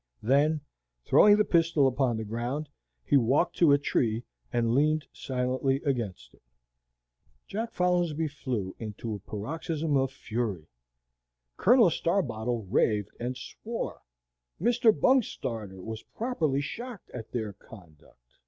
Then, throwing the pistol upon the ground, he walked to a tree and leaned silently against it. Jack Folinsbee flew into a paroxysm of fury. Colonel Starbottle raved and swore. Mr. Bungstarter was properly shocked at their conduct.